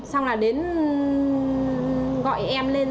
xong là đến gọi em lên